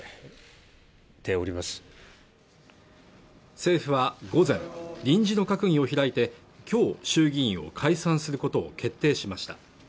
政府は午前臨時の閣議を開いてきょう衆議院を解散することを決定しました